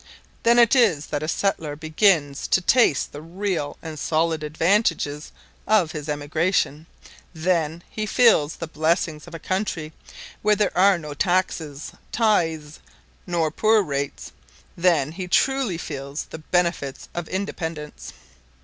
Then it is that a settler begins to taste the real and solid advantages of his emigration; then he feels the blessings of a country where there are no taxes, tithes, nor poor rates; then he truly feels the benefit of independence.